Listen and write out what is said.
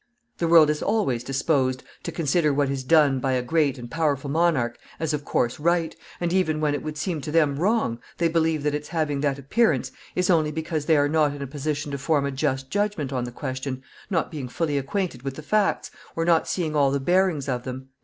The world is always disposed to consider what is done by a great and powerful monarch as of course right, and even when it would seem to them wrong they believe that its having that appearance is only because they are not in a position to form a just judgment on the question, not being fully acquainted with the facts, or not seeing all the bearings of them."